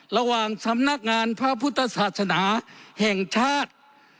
ระหว่างสำนักงานพระพุทธศาสนาแห่งชาติ